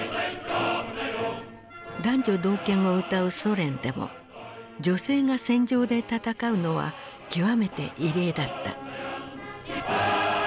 男女同権をうたうソ連でも女性が戦場で戦うのは極めて異例だった。